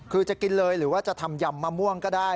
คือจะกินเลยหรือว่าจะทำยำมะม่วงก็ได้